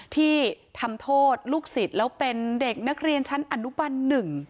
ที่ทำโทษลูกศิษย์แล้วเป็นเด็กนักเรียนชั้นอนุบันหนึ่ง